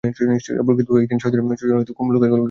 প্রকৃতপক্ষে একদিনে ছয়জনের কম লোক এগুলোকে সরাতে পারতো না।